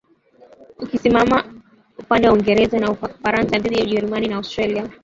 ukisimama upande wa Uingereza na Ufaransa dhidi ya Ujerumani na Austria